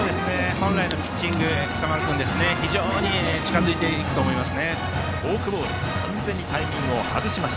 本来のピッチングに非常に近づいていくと思います。